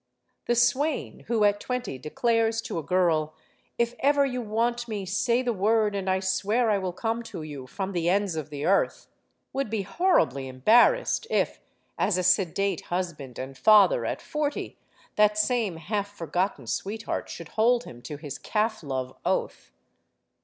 The swain who at twenty declares to a girl: "If ever you want me, say the word, and I swear I will come to you, from the ends of the earth!" would be horribly embarrassed if, as a sedate husband and father at forty, that same half 74 STORIES OF THE SUPER WOMEN forgotten sweetheart should hold him to his calf love oath.